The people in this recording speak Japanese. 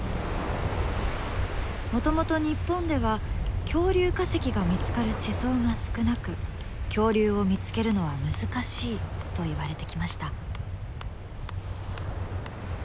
もともと日本では恐竜化石が見つかる地層が少なく恐竜を見つけるのは難しいといわれてきました。